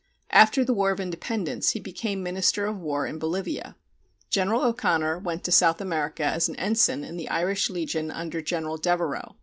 After the War of Independence he became Minister of War in Bolivia. General O'Connor went to South America as an ensign in the Irish Legion under General Devereux.